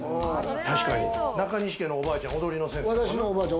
確かに、中西家のおばあちゃん、踊りの先生。